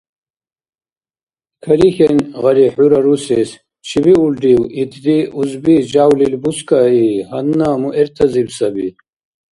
Карихьен, гъари, хӀура русес. Чебиулрив, итди узби жявлил бускаи, гьанна муэртазиб саби.